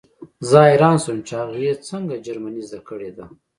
زه حیران شوم چې هغې څنګه جرمني زده کړې ده